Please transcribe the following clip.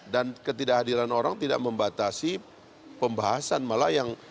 dan ketidakhadiran orang tidak membatasi pembahasan